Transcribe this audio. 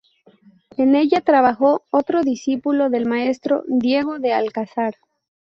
En ella trabajó otro discípulo del maestro, Diego de Alcázar.